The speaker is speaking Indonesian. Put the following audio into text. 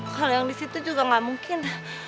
kalau yang di situ juga nggak mungkin